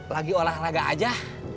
lagi olahraga aja